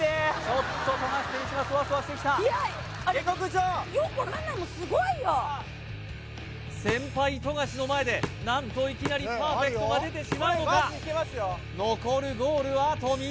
ちょっと富樫選手がそわそわしてきた先輩富樫の前で何といきなりパーフェクトが出てしまうのか？